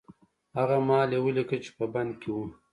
هغه مهال يې وليکه چې په بند کې و.